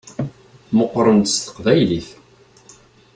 Meqqṛen-d s teqbaylit.